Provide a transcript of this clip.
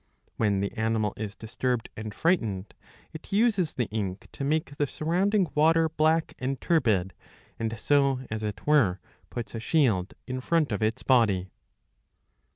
'^ When the animal is disturbed and frightened it uses the ink to make the surrounding water black and turbid, and so, as it were, puts a shield in front of its body.